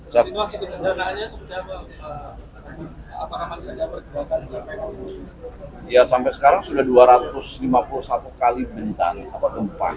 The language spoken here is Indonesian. jadi masih ada bencana nya sebenarnya pak upatiu apakah masih ada perkembangan yang berkembang